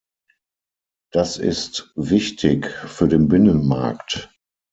Das ist wichtig für den Binnenmarkt.